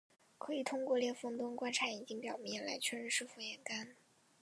还可以通过裂缝灯观察眼睛表面来确认是否眼干。